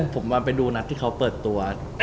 ผมว่าไปดูนัดที่เขาเปิดตัว